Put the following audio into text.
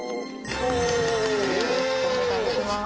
よろしくお願いします。